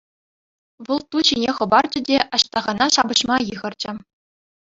Вӑл ту ҫине хӑпарчӗ те Аҫтахана ҫапӑҫма йыхӑрчӗ.